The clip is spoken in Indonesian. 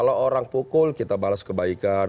kalau orang pukul kita balas kebaikan